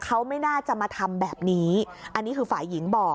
เขาไม่น่าจะมาทำแบบนี้อันนี้คือฝ่ายหญิงบอก